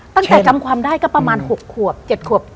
ตั้งแต่จำความได้ก็ประมาณ๖ขวบ๗ขวบ